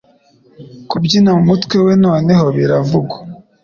Kubyina mumutwe we Noneho biravugwa